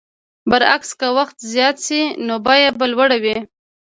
برعکس که وخت زیات شي نو بیه به لوړه وي.